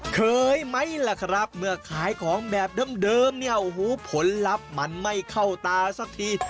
เคยไหมล่ะครับเมื่อขายของแบบเดิมเนี่ยโอ้โหผลลัพธ์มันไม่เข้าตาสักที